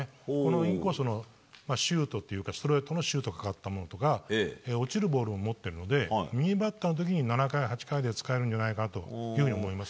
インコースのシュートというかストレートのシュートがかかったものとか落ちるボールも持っているので右バッターの時に、７回、８回で使えるんじゃないかと。